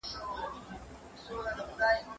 زه اوس سبزیجات وچوم؟